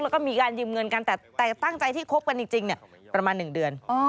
แล้วก็มีการยืมเงินกันแต่ตั้งใจที่คบกันจริงประมาณ๑เดือน